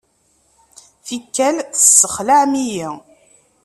Tikkal, tessexlaɛem-iyi.